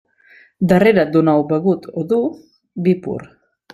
Darrere d'un ou begut o dur, vi pur.